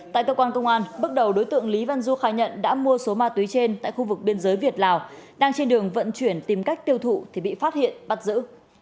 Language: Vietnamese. tại cơ quan công an bước đầu đối tượng lý văn du khai nhận đã mua số ma túy trên tại khu vực biên giới việt lào đang trên đường vận chuyển tìm cách tiêu thụ thì bị phát hiện bắt giữ